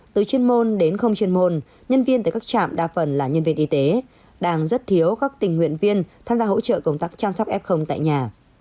từ chuyên môn đến không chuyên môn nhân viên tại các trạm đa phần là nhân viên y tế đang rất thiếu các tình nguyện viên tham gia hỗ trợ công tác chăm sóc f tại nhà